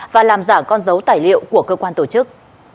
và làm giả con dấu tài liệu của cơ quan tổ chức